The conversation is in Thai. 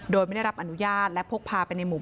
โดยไม่ได้รับอนุญาตและพกพาไป